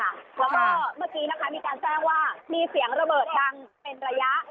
แล้วก็เมื่อกี้นะคะมีการแจ้งว่ามีเสียงระเบิดดังเป็นระยะ